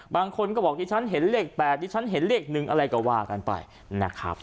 บางคนก็บอกดิฉันเห็นเลข๘ที่ฉันเห็นเลข๑อะไรก็ว่ากันไปนะครับ